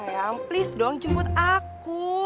sayang please dong jemput aku